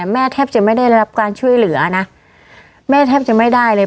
แทบจะไม่ได้รับการช่วยเหลือนะแม่แทบจะไม่ได้เลย